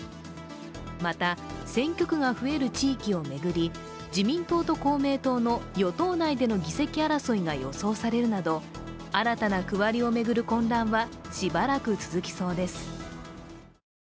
また、選挙区が増える地域を巡り、自民党と公明党の与党内での議席争いが予想されるなど、新たな区割りを巡る混乱はしばらく続きそうです。